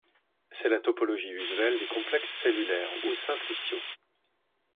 C'est la topologie usuelle des complexes cellulaires ou simpliciaux.